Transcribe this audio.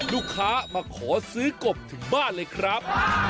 ลูกค้ามาขอซื้อกบถึงบ้านเลยครับ